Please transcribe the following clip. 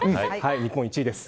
日本１位です。